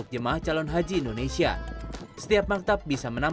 jemaah calon haji indonesia